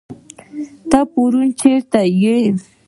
ته پرون چيرته وي